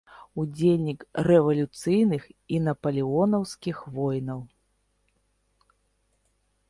Удзельнік рэвалюцыйных і напалеонаўскіх войнаў.